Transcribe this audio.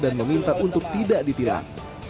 dan meminta untuk tidak ditilak